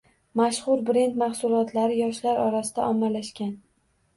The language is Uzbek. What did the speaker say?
Mashhur brend mahsulotlari yoshlar orasida ommalashgan